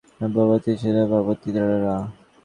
তুষ্টায়াং মাতরি শিবে তুষ্টে পিতরি পার্বতি।